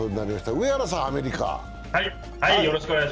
上原さんはアメリカ。